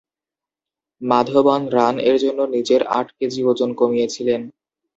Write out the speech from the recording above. Madhavan "Run" এর জন্য নিজের আট কেজি ওজন কমিয়ে ছিলেন।